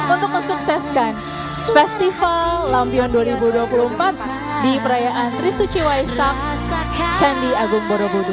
untuk mensukseskan festival lampion dua ribu dua puluh empat di perayaan trisuci waisak candi agung borobudu